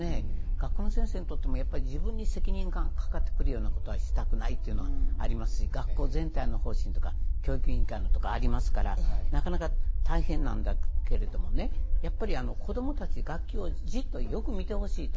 学校の先生にとってもやっぱり自分に責任がかかってくるようなことはしたくないというのはあります、学校全体の方針とか、教育委員会のとかありますから、なかなか大変なんだけれどもね、やっぱり子どもたち、学級をじっとよく見てほしいと。